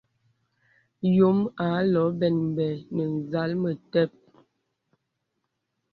Yōm ālɔ̄ɔ̄ m̀bɛ̂bɛ̂ nə̀ zàl metep.